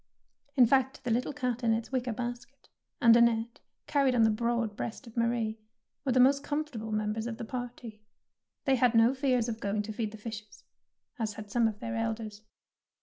In fact, the little cat in its wicker basket, and Annette carried on the broad breast of Marie, were the most comfortable members of the party. They had no fears of going to feed the fishes, as had some of their elders.